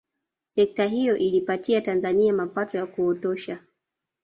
Sekta hiyo iliipatia Tanzania mapato ya kuotosha